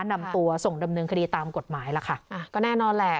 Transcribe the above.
นำตัวส่งดำเนินคดีตามกฎหมายล่ะค่ะอ่าก็แน่นอนแหละ